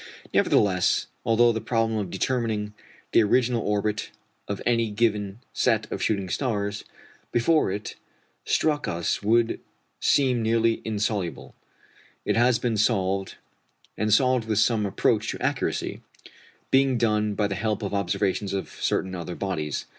Nevertheless, although the problem of determining the original orbit of any given set of shooting stars before it struck us would seem nearly insoluble, it has been solved, and solved with some approach to accuracy; being done by the help of observations of certain other bodies.